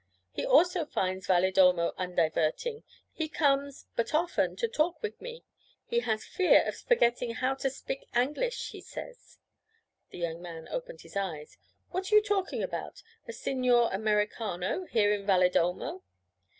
He also finds Valedolmo undiverting. He comes but often to talk wif me. He has fear of forgetting how to spik Angleesh, he says.' The young man opened his eyes. 'What are you talking about a Signor Americano here in Valedolmo?'